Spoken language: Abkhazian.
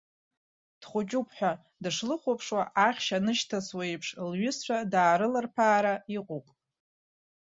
Дхәыҷуп ҳәа дышлыхәаԥшуа, ахьшь анышьҭасуеиԥш, лҩызцәа даарылырԥаара иҟоуп!